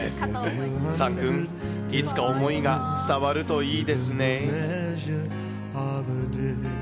サンくん、いつか思いが伝わるといいですね。